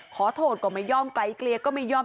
ขอโทษก็ไม่ยอมไกลเกลียก็ไม่ยอม